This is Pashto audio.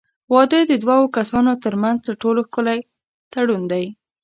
واده د دوو کسانو ترمنځ تر ټولو ښکلی تړون دی.